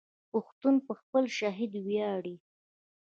پښتون په خپل شهید ویاړي.